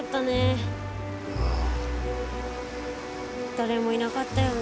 誰もいなかったよね。